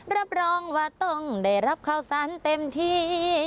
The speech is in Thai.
รับรองว่าต้องได้รับข้าวสันเต็มที่